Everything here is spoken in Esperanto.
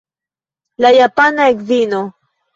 La japana edzino.